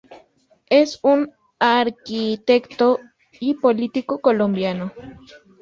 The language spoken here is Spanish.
Es un arquitecto y político colombiano.